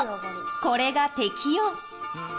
これが適温。